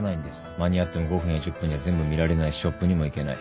間に合っても５分や１０分じゃ全部見られないしショップにも行けない。